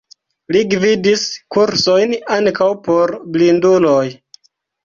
Li gvidis kursojn, ankaŭ por blinduloj.